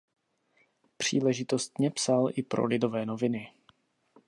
Příležitostně psal i pro Lidové noviny.